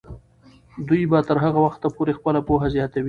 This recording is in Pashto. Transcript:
دوی به تر هغه وخته پورې خپله پوهه زیاتوي.